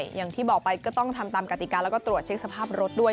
อย่างที่บอกไปก็ต้องทำตามกติกาแล้วก็ตรวจเช็คสภาพรถด้วย